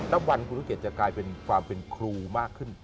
แล้ววันครูรุเกตจะกลายเป็นความเป็นครูมากขึ้น